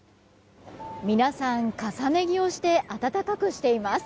皆さん、重ね着をして温かくしています。